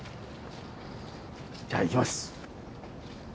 じゃあ行きます。